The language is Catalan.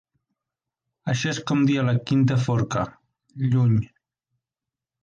Això és com dir a la quinta forca, lluny.